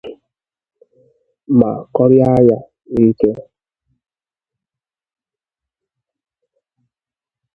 ma kọrịa ya n'iké.